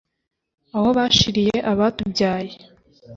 Aho bashiriye abatubyaye.